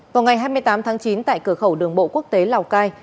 vào ngày hai mươi tám tháng chín tại cửa khẩu đường bộ quốc tế lào cai